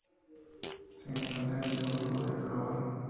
Se encuentra en el Golfo de Aqaba.